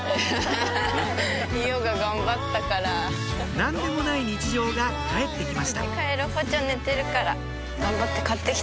何でもない日常が返って来ました